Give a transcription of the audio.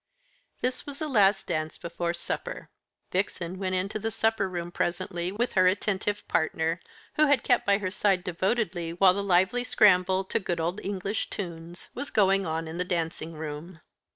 This was the last dance before supper. Vixen went in to the supper room presently with her attentive partner, who had kept by her side devotedly while the lively scramble to good old English tunes was going on in the dancing room.